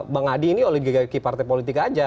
bang adi ini oleh gigi partai politik aja